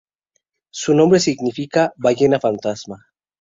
Su nombre significa "Ballena fantasma".